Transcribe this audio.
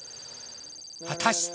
果たして。